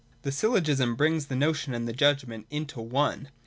J The Syllogism brings the notion and the judg ment into one.